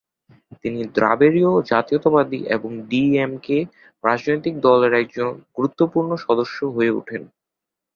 তিনি দ্রাবিড়ীয় জাতীয়তাবাদী এবং ডিএমকে রাজনৈতিক দলের একজন গুরুত্বপূর্ণ সদস্য হয়ে ওঠেন।